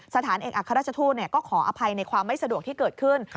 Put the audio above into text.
สถานเอกอัครราชทูตก็ขออภัยในความไม่สะดวกที่เกิดขึ้น